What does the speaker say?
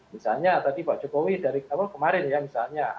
misalnya tadi pak jokowi dari awal kemarin ya misalnya